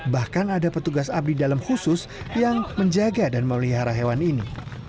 bahkan ada petugas abdi dalam khusus yang menjaga dan memelihara hewan ini